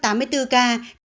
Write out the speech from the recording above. tăng sức khỏe bệnh